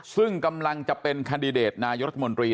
ซึ่งกำลังจะเป็นคันดิเดตนายกรัฐมนตรี